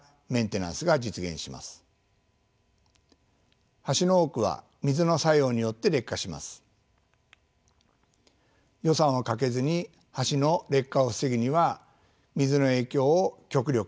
予算をかけずに橋の劣化を防ぐには水の影響を極力防ぐことが大事です。